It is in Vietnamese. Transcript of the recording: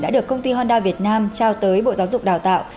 đã được công ty honda việt nam trao tới bộ giáo dục đào tạo